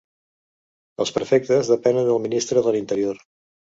Els prefectes depenen del ministre de l'interior.